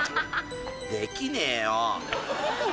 できねえよ。え？